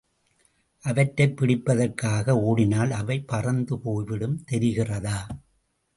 அவற்றைப் பிடிப்பதற்காக ஓடினால் அவை பறந்து போய்விடும், தெரிகிறதா?